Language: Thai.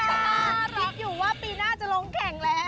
ถ้ารออยู่ว่าปีหน้าจะลงแข่งแล้ว